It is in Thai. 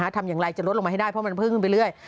ทำอย่างไรจะลดลงมาให้ได้เพราะมันเพิ่มขึ้นไปเรื่อย